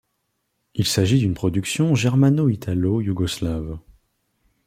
Il s'agit d'une production germano-italo-yougoslave.